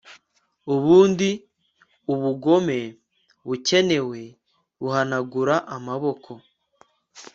Ubundi ubugome bukenewe buhanagura amaboko